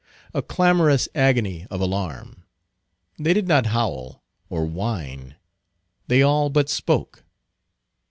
A clamorous agony of alarm. They did not howl, or whine; they all but spoke.